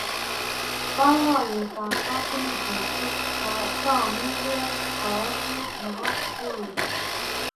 boiboiyet ab katunisiet ko taunegei koashoet Nebo koikeny